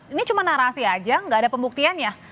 ini cuma narasi aja nggak ada pembuktiannya